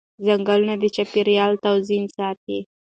ځنګلونه د چاپېریال توازن ساتي